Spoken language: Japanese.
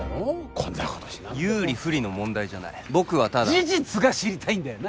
こんなことしなくても有利不利の問題じゃない僕はただ事実が知りたいんだよな？